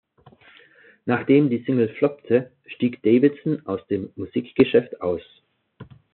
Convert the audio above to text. Nachdem die Single floppte, stieg Davidson aus dem Musikgeschäft aus.